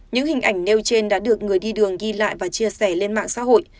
những hình ảnh nêu trên đã được người đi đường ghi lại và chia sẻ lên mạng xã hội